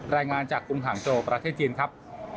รายงานจากกรุงหางโจประเทศจีนครับ